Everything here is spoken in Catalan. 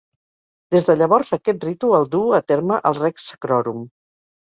Des de llavors, aquest ritu el duu a terme el "rex sacrorum".